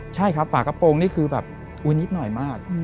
ใช่ครับฝากระโปรงนี่คือแบบอุ๊ยนิดหน่อยมาก